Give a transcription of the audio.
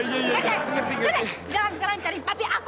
jangan sekarang cari papi aku